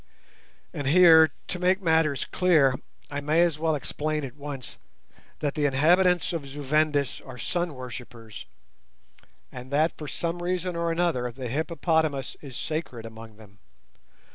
And here, to make matters clear, I may as well explain at once that the inhabitants of Zu Vendis are sun worshippers, and that for some reason or another the hippopotamus is sacred among them.